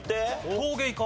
陶芸家。